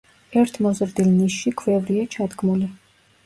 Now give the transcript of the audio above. ერთ მოზრდილ ნიშში ქვევრია ჩადგმული.